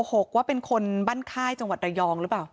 ว่าเป็นคนบ้านค่ายจังหวัดระยองหรือเปล่า